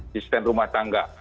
sistem rumah tangga